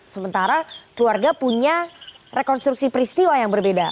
sementara keluarga punya rekonstruksi peristiwa yang berbeda